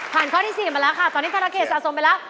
ข้อที่๔มาแล้วค่ะตอนนี้ธนาเขตสะสมไปแล้ว